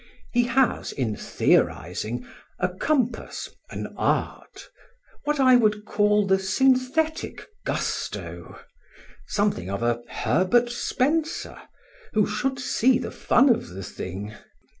He has, in theorising, a compass, an art; what I would call the synthetic gusto; something of a Herbert Spencer, who should see the fun of the thing.